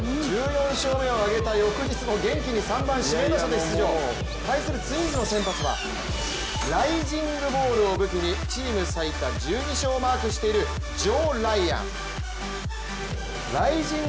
１４勝目を挙げた翌日も元気に指名打者で出場。対するツインズの先発はライジングボールを武器にチーム最多１２勝をマークしているジョー・ライアン。